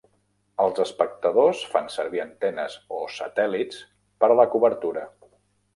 Els espectadors fan servir antenes o satèl·lits per a la cobertura.